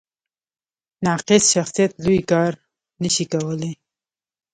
ناقص شخصیت لوی کار نه شي کولی.